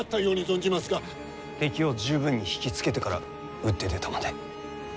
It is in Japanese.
敵を十分に引き付けてから打って出たまで。